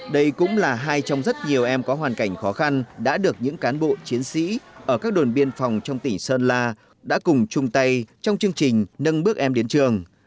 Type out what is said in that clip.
đây cũng là hai trong rất nhiều em có hoàn cảnh khó khăn đã được những cán bộ chiến sĩ ở các đồn biên phòng trong tỉnh sơn la đã cùng chung tay trong chương trình nâng bước em đến trường